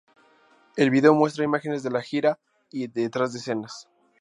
El vídeo muestra imágenes de la gira y detrás de escenas.